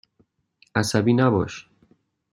عصبی نباش.